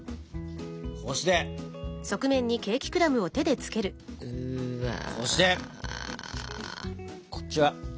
こうしてこうしてこっちはこうして。